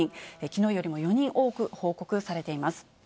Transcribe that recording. きのうよりも４人多く報告されています。